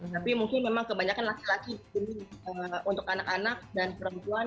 tapi mungkin memang kebanyakan laki laki di sini untuk anak anak dan perempuan